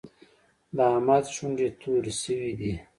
د احمد شونډې تورې شوې دي.